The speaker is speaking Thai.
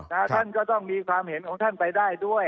ท่านก็ต้องมีความเห็นของท่านไปได้ด้วย